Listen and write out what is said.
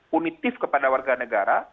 punitif kepada warga negara